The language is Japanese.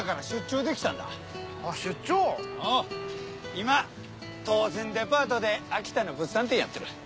今トウシン・デパートで秋田の物産展やってる。